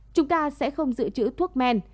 chúng ta sẽ không giữ chữ thuốc men